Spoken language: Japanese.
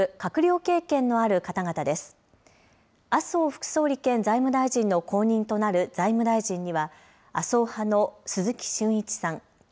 麻生副総理兼財務大臣の後任となる財務大臣には、麻生派の鈴木俊一さん。